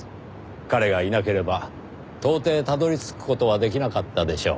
彼がいなければ到底たどり着く事はできなかったでしょう。